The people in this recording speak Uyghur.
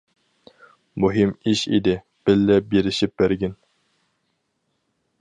مۇھىم ئىش ئىدى، بىللە بېرىشىپ بەرگىن.